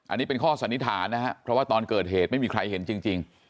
อันนี้เป็นข้อสันนิษฐานนะครับเพราะว่าตอนเกิดเหตุไม่มีใครเห็นจริง